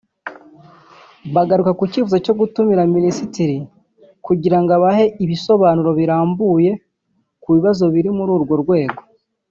bagarukaga ku cyifuzo cyo gutumiza Minisitiri kugira ngo abahe ibisobanuro birambuye ku bibazo biri muri urwo rwego